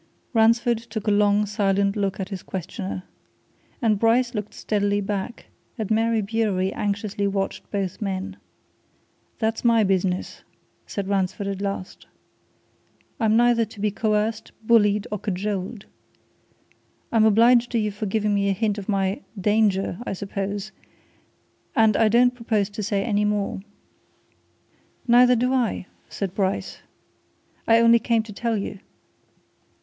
Ransford took a long, silent look at his questioner. And Bryce looked steadily back and Mary Bewery anxiously watched both men. "That's my business," said Ransford at last. "I'm neither to be coerced, bullied, or cajoled. I'm obliged to you for giving me a hint of my danger, I suppose! And I don't propose to say any more." "Neither do I," said Bryce. "I only came to tell you."